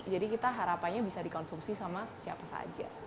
jadi kita harapannya bisa dikonsumsi sama siapa saja